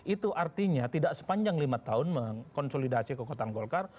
itu artinya tidak sepanjang lima tahun mengkonsolidasi kekuatan golkar